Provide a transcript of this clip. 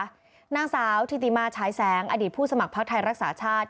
นางสาวธิติมาฉายแสงอดีตผู้สมัครพักไทยรักษาชาติ